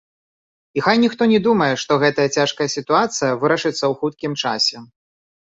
І хай ніхто не думае, што гэтая цяжкая сітуацыя вырашыцца ў хуткім часе.